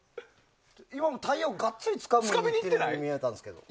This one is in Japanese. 今のタイヤ王がっつりつかみにいってたように見えたんですけど。